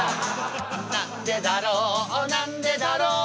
「なんでだろうなんでだろう」